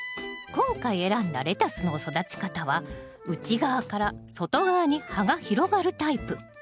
今回選んだレタスの育ち方は内側から外側に葉が広がるタイプ。